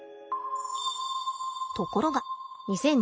ところが。